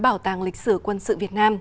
bảo tàng lịch sử quân sự việt nam